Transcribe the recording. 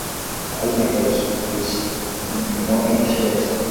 aina ya Electric Fish ni wenye shoti